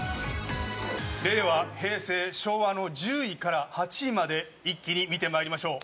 令和、平成、昭和の１０位から８位まで一気に見てまいりましょう。